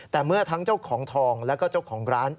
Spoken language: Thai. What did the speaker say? แต่เมื่อทั้งเจ้าของทองแล้วก็เจ้าของร้าน